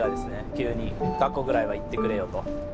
急に『学校ぐらいは行ってくれよ』と」。